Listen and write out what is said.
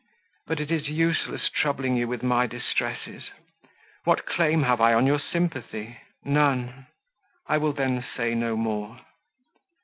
But it is useless troubling you with my distresses. What claim have I on your sympathy? None; I will then say no more.